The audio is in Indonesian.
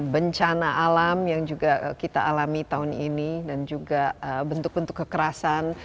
bencana alam yang juga kita alami tahun ini dan juga bentuk bentuk kekerasan